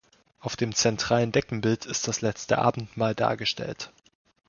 Auf dem zentralen Deckenbild ist das letzte Abendmahl dargestellt.